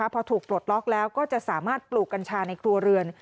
พอถูกปลดล็อกแล้วก็จะสามารถปลูกกัญชาในครัวเรือน